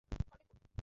Call back করবো।